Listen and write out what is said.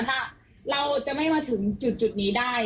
ถ้าเราจะไม่มาถึงจุดนี้ได้